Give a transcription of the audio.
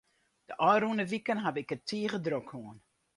De ôfrûne wiken haw ik it tige drok hân.